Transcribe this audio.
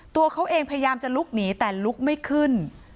ตัวเขาเองพยายามจะลุกหนีแต่ลุกไม่ขึ้น